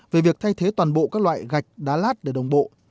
về việc thay thế toàn bộ các loại gạch đá lát để đồng bộ